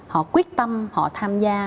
họ quyết tâm họ tham gia